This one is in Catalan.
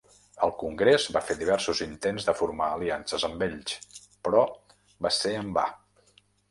El Congrés va fer diversos intents de formar aliances amb ells, però va ser en va.